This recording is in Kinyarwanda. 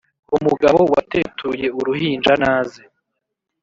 umugabo wateturuye uruhinja naze